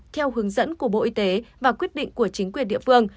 theo hướng dẫn của bộ y tế và quyết định của chính quyền địa phương